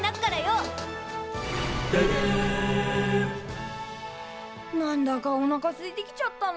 「ででん」なんだかおなかすいてきちゃったな。